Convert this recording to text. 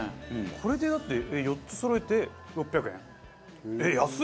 これでだって４つそろえて６００円？